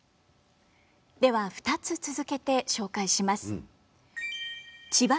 では２つ続けて紹介します。